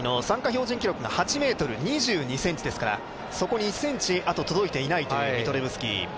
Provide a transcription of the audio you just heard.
標準記録が８ｍ２２ｃｍですから、そこに１ｃｍあと届いていないというミトレブスキー。